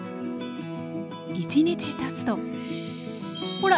１日たつとほら！